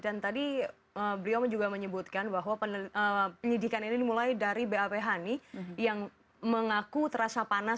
dan tadi beliau juga menyebutkan bahwa penyidikan ini dimulai dari bawh nih yang mengaku terasa panas